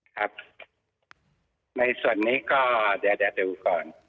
ครับในส่วนนี้ก็เดี๋ยวจะดูก่อน